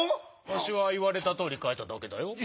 わしはいわれたとおりかいただけだよ。